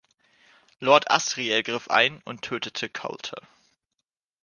Lord Asriel griff ein und tötete Coulter.